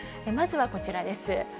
まずはこちらです。